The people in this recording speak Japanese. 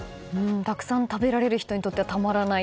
たくさん食べられる人にとっては、たまらない。